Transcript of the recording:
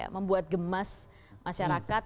membuat gemas masyarakat